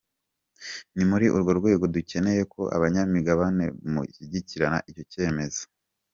Ni muri urwo rwego dukeneye ko abanyamigabane mushyigikira icyo cyemezo.”